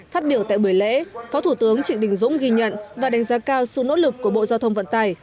phát biểu tại buổi lễ phó thủ tướng trịnh đình dũng ghi nhận và đánh giá cao sự nỗ lực của bộ giao thông vận tải